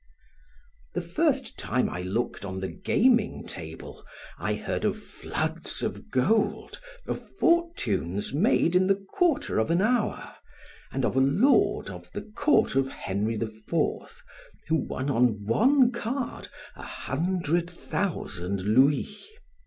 The first time I looked on the gaming table I heard of floods of gold, of fortunes made in the quarter of an hour, and of a lord of the court of Henry IV who won on one card a hundred thousand louis.